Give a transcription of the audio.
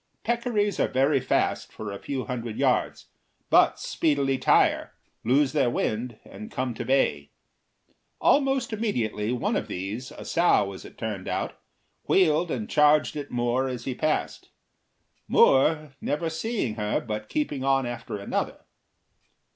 Peccaries are very fast for a few hundred yards, but speedily tire, lose their wind, and come to bay. Almost immediately one of these, a sow, as it turned out, wheeled and charged at Moore as he passed, Moore never seeing her but keeping on after another.